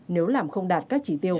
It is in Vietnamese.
nếu làm không đạt các chỉ tiêu